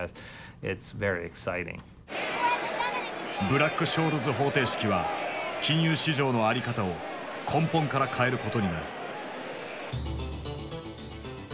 ブラック・ショールズ方程式は金融市場の在り方を根本から変えることになる。